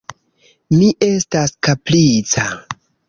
Mi estas kaprica.